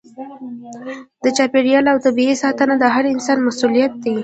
د چاپیریال او طبیعت ساتنه د هر انسان مسؤلیت دی.